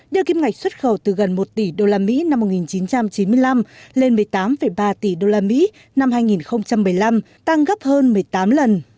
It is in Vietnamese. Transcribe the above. đưa kim ngạch xuất khẩu từ gần một tỷ usd năm một nghìn chín trăm chín mươi năm lên một mươi tám ba tỷ usd năm hai nghìn một mươi năm tăng gấp hơn một mươi tám lần